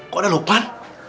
kok ada lupan